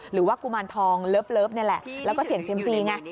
หรือว่ากุมารทองเลิฟเลิฟเนี่ยแหละแล้วก็เสียงเซียมซีไง